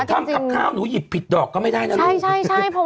ทำกับข้าวหนูหยิบผิดดอกก็ไม่ได้นะลูก